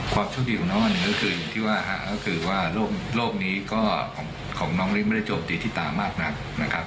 ความช่วงดีของน้องอันนี้ก็คือที่ว่าโรคนี้ของน้องลิ้งไม่ได้โจมตีที่ตามากนักนะครับ